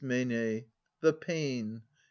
The pain !